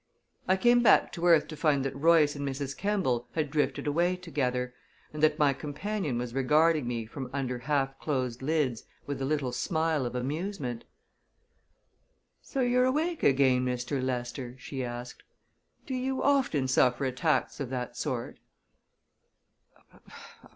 I came back to earth to find that Royce and Mrs. Kemball had drifted away together, and that my companion was regarding me from under half closed lids with a little smile of amusement. "So you're awake again, Mr. Lester?" she asked. "Do you often suffer attacks of that sort?"